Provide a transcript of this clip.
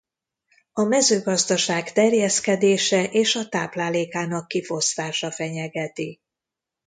A mezőgazdaság terjeszkedése és a táplálékának kifosztása fenyegeti.